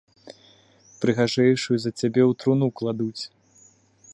Прыгажэйшую за цябе ў труну кладуць.